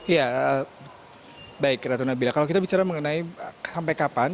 ya baik ratu nabila kalau kita bicara mengenai sampai kapan